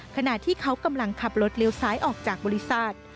ขณะที่เขากำลังขับรถเลี้ยวซ้ายออกจากบริษัท